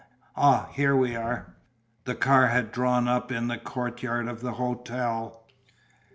Ah, here we are." The car had drawn up in the courtyard of the Hotel.